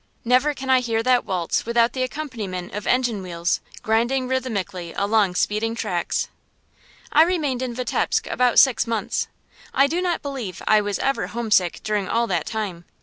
Never can I hear that waltz without the accompaniment of engine wheels grinding rhythmically along speeding tracks. I remained in Vitebsk about six months. I do not believe I was ever homesick during all that time.